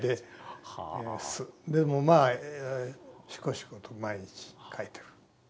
でもまあしこしこと毎日書いてる。